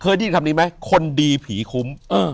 ได้ยินคำนี้ไหมคนดีผีคุ้ม